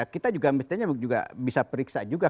kita juga misalnya bisa periksa juga